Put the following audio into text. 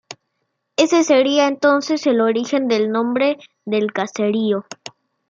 Ese sería entonces el origen del nombre del caserío.